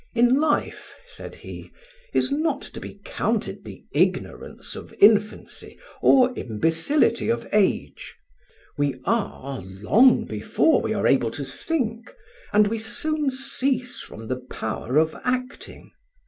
"In life," said he, "is not to be counted the ignorance of infancy or imbecility of age. We are long before we are able to think, and we soon cease from the power of acting.